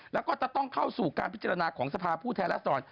แล้วก็ต้องเข้าสู่การพิจารณาของสภาพู่แต่ละสอน